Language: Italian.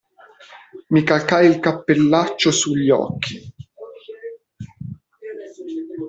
Mi calcai il cappellaccio su gli occhi.